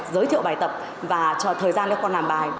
giới thiệu bài tập và thời gian cho con làm bài